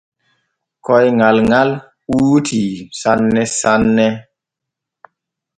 Koyŋal ŋal ɓuutii sanne sanne.